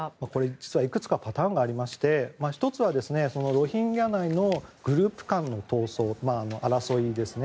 実はいくつかパターンがありまして１つはロヒンギャ内のグループ間の闘争、争いですね。